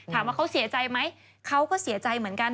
ถามว่าเขาเสียใจไหมเขาก็เสียใจเหมือนกัน